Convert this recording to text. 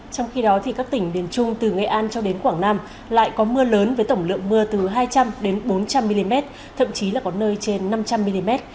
trong khi đó các tỉnh biển trung từ nghệ an cho đến quảng nam lại có mưa lớn với tổng lượng mưa từ hai trăm linh bốn trăm linh mm thậm chí là có nơi trên năm trăm linh mm